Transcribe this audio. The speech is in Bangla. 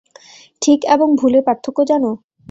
ঠিক এবং ভুলের পার্থক্য জানো?